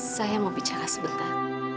saya mau bicara sebentar